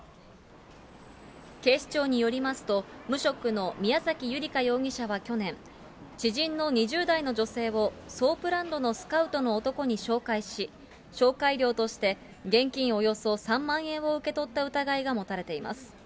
警視庁によりますと、無職の宮崎由利香容疑者は去年、知人の２０代の女性を、ソープランドのスカウトの男に紹介し、紹介料として、現金およそ３万円を受け取った疑いが持たれています。